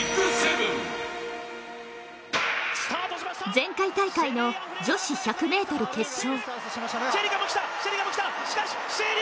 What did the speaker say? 前回大会の女子１００ｍ決勝。